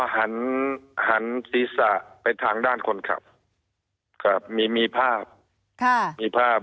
หันหันศีรษะไปทางด้านคนขับครับมีมีภาพค่ะมีภาพ